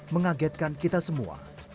mengagetkan kita semua